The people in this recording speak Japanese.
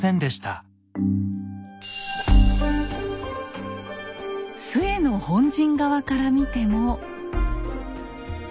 陶の本陣側から見ても。